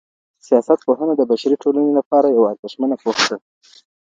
سياست پوهنه د بشري ټولنې لپاره يوه ارزښتمنه پوهه ده.